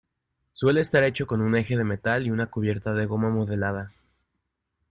Suele estar hecho con un eje de metal y una cubierta de goma modelada.